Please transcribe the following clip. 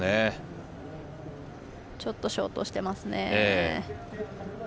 ちょっとショートしてます。